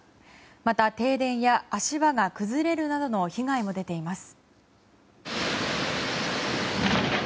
また停電や足場が崩れるなどの被害も出ています。